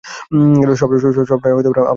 সবটাই আমার মাথার ভুল হইতে পারে।